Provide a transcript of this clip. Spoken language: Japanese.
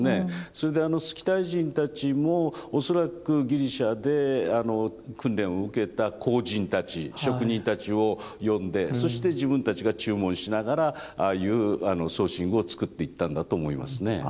それでスキタイ人たちも恐らくギリシャで訓練を受けた工人たち職人たちを呼んでそして自分たちが注文しながらああいう装身具を作っていったんだと思いますね。